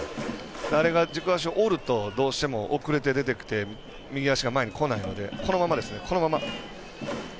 あれが軸足を折るとどうしても遅れて出てきて右足が前にこないのでこのまま。